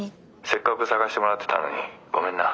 せっかく探してもらってたのにごめんな。